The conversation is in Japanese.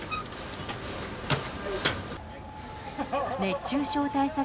熱中症対策